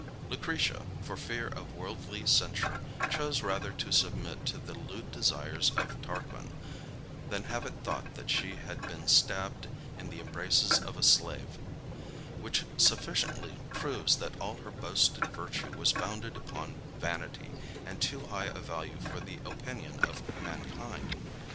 Lucretia, for fear of worldly censure, chose rather to submit to the lewd desires of Tarquin, than have it thought that she had been stabbed in the embraces of a slave; which sufficiently proves that all her boasted virtue was founded upon vanity, and too high a value for the opinion of mankind.